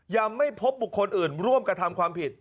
ยังไม่พบบุคคลอื่นร่วมกระทำความผิด